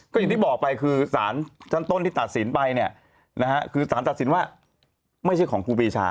ก็อย่างที่บอกไปคือสารชั้นต้นที่ตัดสินไปเนี่ยนะฮะคือสารตัดสินว่าไม่ใช่ของครูปีชา